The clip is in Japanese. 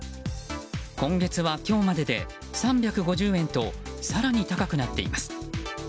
今月は今日までで３５０円と更に、高くなっています。